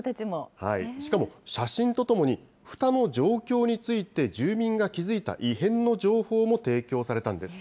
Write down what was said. しかも写真とともに、ふたの状況について住民が気付いた異変の情報も提供されたんです。